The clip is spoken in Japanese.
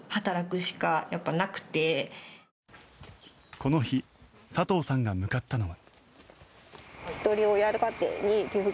この日佐藤さんが向かったのは。